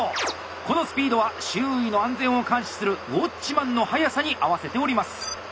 このスピードは周囲の安全を監視するウォッチマンの速さに合わせております。